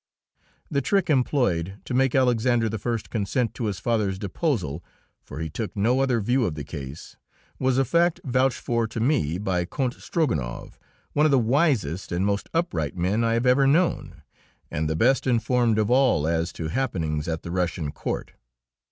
The trick employed to make Alexander I. consent to his father's deposal for he took no other view of the case was a fact vouched for to me by Count Strogonoff, one of the wisest and most upright men I have ever known, and the best informed of all as to happenings at the Russian court.